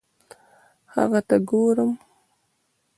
هغه ته ګورم